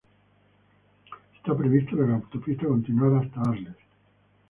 Está prevista que la autopista continuara hasta Arles.